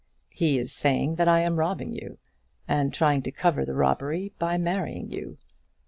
"He is saying that I am robbing you, and trying to cover the robbery by marrying you.